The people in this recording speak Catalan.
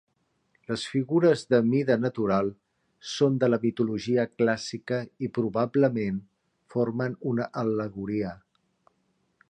Les figures de mida natural són de la mitologia clàssica i probablement formen una al·legoria.